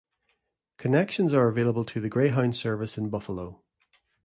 Connections are available to the Greyhound service in Buffalo.